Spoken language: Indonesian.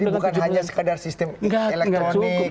jadi bukan hanya sekadar sistem elektronik